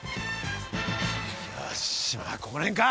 よしここら辺か。